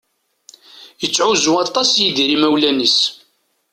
Yettεuzzu aṭas Yidir imawlan-is.